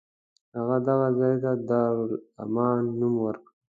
هغه دغه ځای ته دارالامان نوم ورکړ.